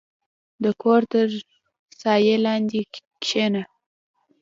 • د کور تر سایې لاندې کښېنه.